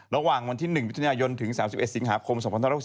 ระหว่างวันที่๑มิถุนายนถึง๓๑สิงหาคม๒๕๖๒